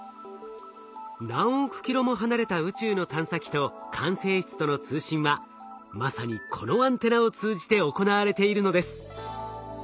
何億キロも離れた宇宙の探査機と管制室との通信はまさにこのアンテナを通じて行われているのです。